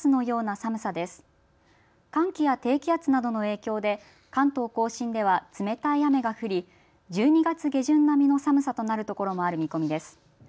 寒気や低気圧などの影響で関東甲信では冷たい雨が降り１２月下旬並みの寒さとなる所もある見込みです。